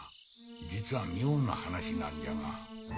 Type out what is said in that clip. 実は妙な話なんじゃが。